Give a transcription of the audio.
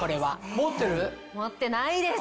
持ってないです。